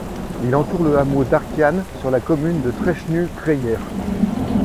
Il entoure le hameau d'Archiane sur la commune de Treschenu-Creyers.